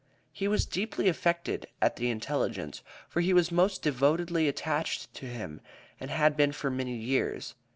He was deeply affected at the intelligence, for he was most devotedly attached to him and had been for many years.